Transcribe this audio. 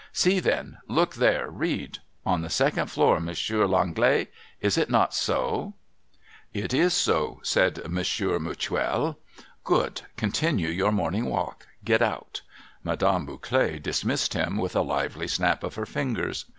' See then, — look there, — read !" On the second floor Monsieur L' Anglais." Is it not so ?' MR. THE ENGLISHMAN 291 ' It is so,' said Monsieur Mutuel, ' Good. Continue your morning walk. Get out !' Madame Bouclet dismissed him with a lively snap of her fingers.